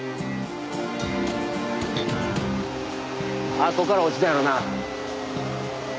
あそこから落ちたんやろな。